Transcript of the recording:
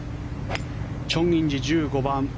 チョン・インジ、１５番。